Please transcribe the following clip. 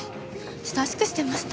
親しくしてました。